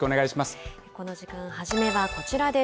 この時間、初めはこちらです。